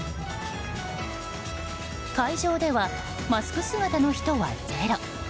会場では、マスク姿の人はゼロ。